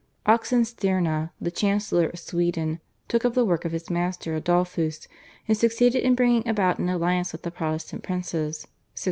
Oxenstierna, the chancellor of Sweden, took up the work of his master Adolphus and succeeded in bringing about an alliance with the Protestant princes (1633).